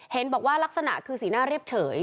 เห็นบอกว่าลักษณะคือสีหน้าเรียบเฉย